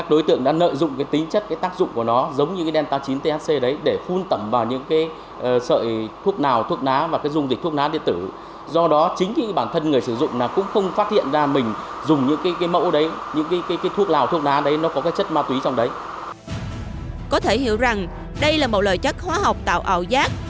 có thể hiểu rằng đây là một loại chất hóa học tạo ảo giác